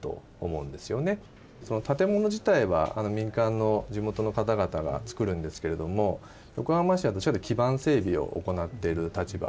建物自体は民間の地元の方々が作るんですけれども横浜市はどちらかというと基盤整備を行ってる立場でございます。